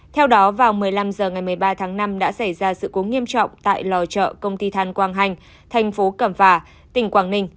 theo đó vào một mươi năm h ngày một mươi ba tháng năm đã xảy ra sự cố nghiêm trọng tại lò chợ công ty than quang hành thành phố cẩm phả tỉnh quảng ninh